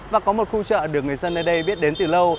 và có một khu chợ được người dân nơi đây biết đến từ lâu